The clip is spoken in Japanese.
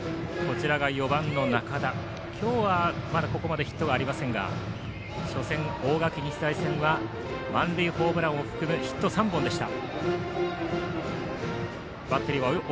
４番の仲田、今日はまだここまでヒットはありませんが初戦、大垣日大戦は満塁ホームランを含むヒット３本でした。